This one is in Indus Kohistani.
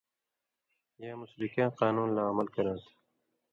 یا مسلکیاں قانون لا عمل کراں تھہ